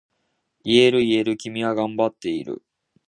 言える言える、君は頑張っている。